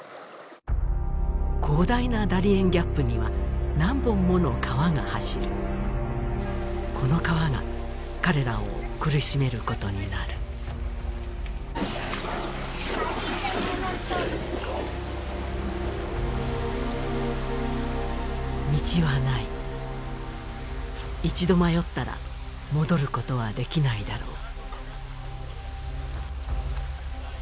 広大なダリエン・ギャップには何本もの川が走るこの川が彼らを苦しめることになる道はない一度迷ったら戻ることはできないだろう